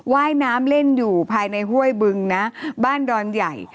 ว่ายน้ำเล่นอยู่ภายในห้วยบึงนะบ้านดอนใหญ่